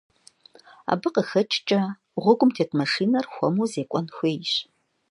Абы къыхэкӀкӀэ, гъуэгум тет машинэр хуэму зекӀуэн хуейщ.